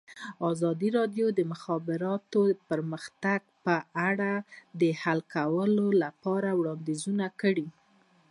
ازادي راډیو د د مخابراتو پرمختګ په اړه د حل کولو لپاره وړاندیزونه کړي.